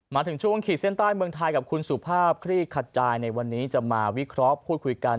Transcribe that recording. มาถึงช่วงขีดเส้นใต้เมืองไทยกับคุณสุภาพคลี่ขจายในวันนี้จะมาวิเคราะห์พูดคุยกัน